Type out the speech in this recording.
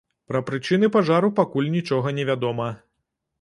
Пра прычыны пажару пакуль нічога невядома.